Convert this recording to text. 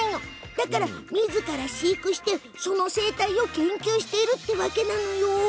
だから、みずから飼育してその生態を研究しているんだって。